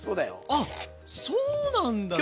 あっそうなんだ。